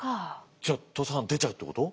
じゃあ土佐藩出ちゃうってこと？